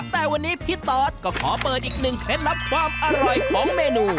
แต่วันนี้พี่ตอสก็ขอเปิดอีกหนึ่งเคล็ดลับความอร่อยของเมนู